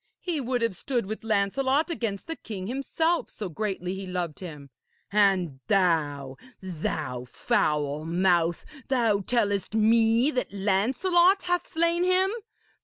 He would have stood with Lancelot against the king himself, so greatly he loved him. And thou thou foul mouth! thou tellest me that Lancelot hath slain him!